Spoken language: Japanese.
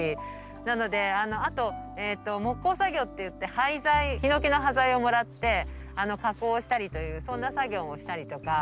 なのであと木工作業っていって廃材ヒノキの端材をもらって加工したりというそんな作業もしたりとか。